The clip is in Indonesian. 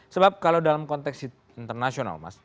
sebab kalau dalam konteks internasional mas